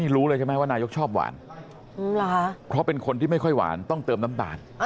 เขาชอบหวานเพราะเป็นคนที่ไม่ค่อยหวานต้องเติมน้ำบาล